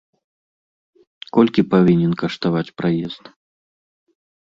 Колькі павінен каштаваць праезд?